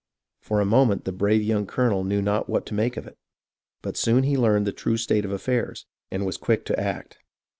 For a moment the brave young colonel knew not what to make of it ; but soon he learned the true state of affairs, and was quick to act.